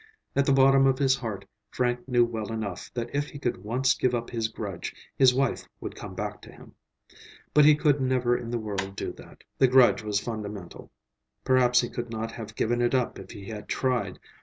At the bottom of his heart Frank knew well enough that if he could once give up his grudge, his wife would come back to him. But he could never in the world do that. The grudge was fundamental. Perhaps he could not have given it up if he had tried.